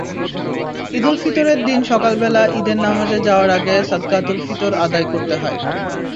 ঈদুল ফিতরের দিন সকালবেলা ঈদের নামাজে যাওয়ার আগে সদকাতুল ফিতর আদায় করতে হয়।